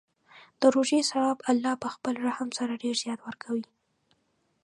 د روژې ثواب الله په خپل رحم سره ډېر زیات ورکوي.